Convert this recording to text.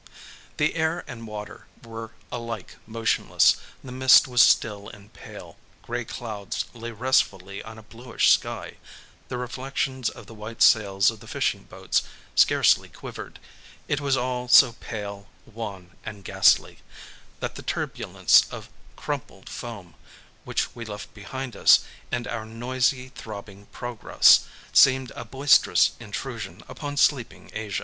The air and water were alike motionless, the mist was still and pale, grey clouds lay restfully on a bluish sky, the reflections of the white sails of the fishing boats scarcely quivered; it was all so pale, wan, and ghastly, that the turbulence of crumpled foam which we left behind us, and our noisy, throbbing progress, seemed a boisterous intrusion upon sleeping Asia.